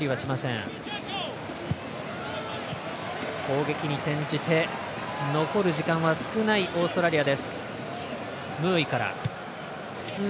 攻撃に転じて残る時間は少ないオーストラリア。